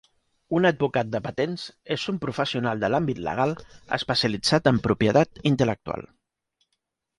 Un advocat de patents és un professional de l'àmbit legal especialitzat en propietat intel·lectual